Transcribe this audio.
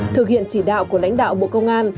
thực hiện chỉ đạo của lãnh đạo bộ công an